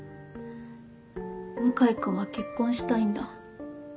向井君は結婚したいんだ。